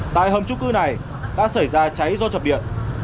tại hầm trung cư này đã xảy ra cháy do chập điện